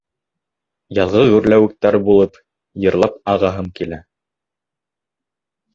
Яҙғы гөрләүектәр булып, Йырлап ағаһым килә...